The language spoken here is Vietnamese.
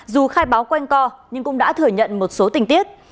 dù khai báo quanh co nhưng cũng đã thừa nhận một số tình tiết